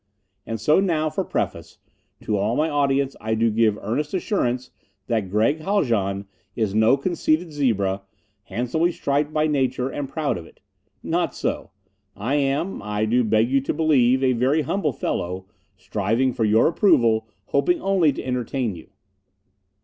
And so now, for preface, to all my audience I do give earnest assurance that Gregg Haljan is no conceited zebra, handsomely striped by nature, and proud of it. Not so. I am, I do beg you to believe, a very humble fellow, striving for your approval, hoping only to entertain you.